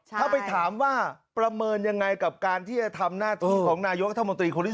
ถ้าไปถามว่าประเมินยังไงกับการที่จะทำหน้าที่ของนายกรัฐมนตรีคนที่๒